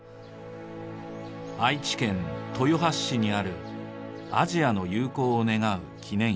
愛知県豊橋市にあるアジアの友好を願う記念碑。